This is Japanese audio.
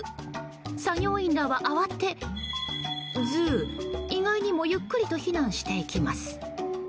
作業員らは慌てず意外にもゆっくりと避難していきます。